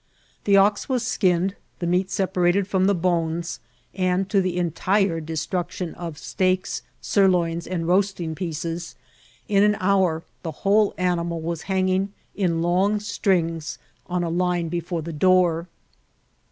The ox was skinned, the meat separated from the bones, and, to the entire destruction of steaks, sirloins, and roasting pieoes, in an hour the whole animal was hanging in long strings on a line before the door.